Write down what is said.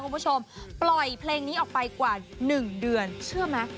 ปล่อยเพลงนี้ออกไปกว่า๑เดือน